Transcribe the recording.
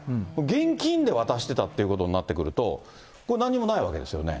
現金で渡してたということになってくると、これ、なんにもないわけですよね？